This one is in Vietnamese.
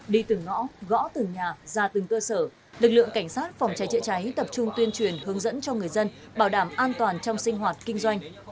đi từng ngõ gõ từng nhà ra từng cơ sở lực lượng cảnh sát phòng cháy chữa cháy tập trung tuyên truyền hướng dẫn cho người dân bảo đảm an toàn trong sinh hoạt kinh doanh